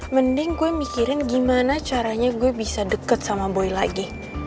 mending gue mikirin gimana caranya gue bisa deket sama boy lagi